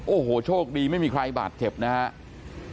โอ้โหโชคดีไม่มีใครบาดเจ็บนะครับ